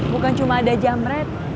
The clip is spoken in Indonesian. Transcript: bukan cuma ada jamret